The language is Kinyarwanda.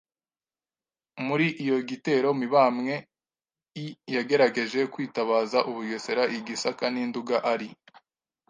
Muri iyo gitero Mibamwe I yagerageje kwitabaza ub ugesera i Gisaka n’i Nduga ari